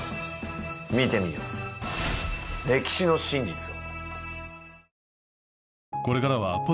見てみよう歴史の真実を。